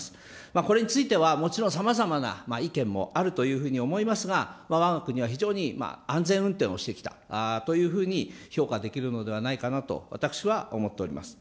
これについてはもちろん、さまざまな意見もあるというふうに思いますが、わが国は非常に安全運転をしてきたというふうに評価できるのではないかなというふうに私は思っております。